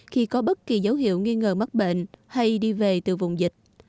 khi có bất kỳ dấu hiệu nghi ngờ mắc bệnh hay đi về từ vùng dịch